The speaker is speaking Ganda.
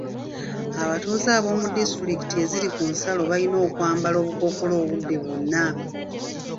Abatuuze b'omu disitulikiti eziri ku nsalo balina okwambala obukookolo obudde bwonna.